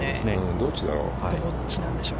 どっちだろう？